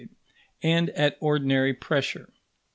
and at ordinary pressure.